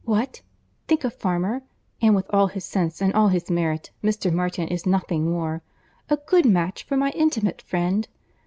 What! think a farmer, (and with all his sense and all his merit Mr. Martin is nothing more,) a good match for my intimate friend!